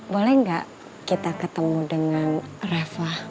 boleh nggak kita ketemu dengan reva